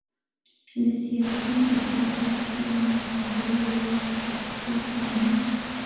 له سیاسي اقتدار سره مقابله یوازې په کیسو کې نه وه.